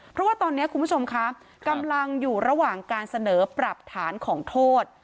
เพราะว่าตอนนี้คุณผู้ชมคะกำลังอยู่ระหว่างการเสนอปรับฐานของโทษ